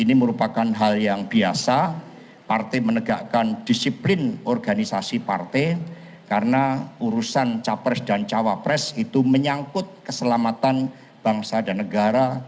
ini merupakan hal yang biasa partai menegakkan disiplin organisasi partai karena urusan capres dan cawapres itu menyangkut keselamatan bangsa dan negara